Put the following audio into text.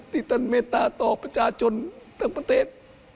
ที่ท่านเมตตาต่อประชาชนทั้งประเทศ